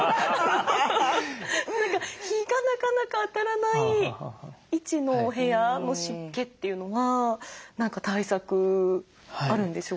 何か日がなかなか当たらない位置のお部屋の湿気というのは何か対策あるんでしょうか？